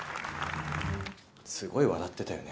すごい笑ってたよね。